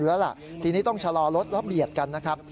แล้วล่ะทีนี้ต้องชะลอรถแล้วเบียดกันนะครับ